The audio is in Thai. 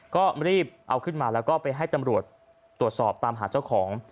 ก็รีบเอาขึ้นมาแล้วก็ไปให้ตำรวจตรวจสอบตามหาเจ้าของ